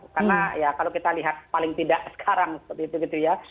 karena ya kalau kita lihat paling tidak sekarang seperti itu gitu ya